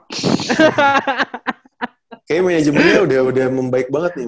kayaknya manajemennya udah membaik banget nih